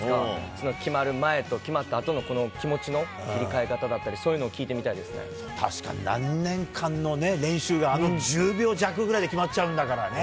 その決まる前と決まったあとのこのキモチの切り替え方だったり、確かに、何年間のね、練習があの１０秒弱ぐらいで決まっちゃうんだからね。